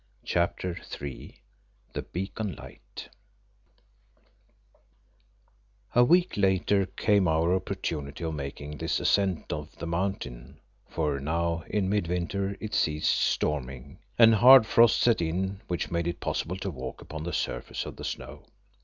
CHAPTER III THE BEACON LIGHT A week later came our opportunity of making this ascent of the mountain, for now in mid winter it ceased storming, and hard frost set in, which made it possible to walk upon the surface of the snow.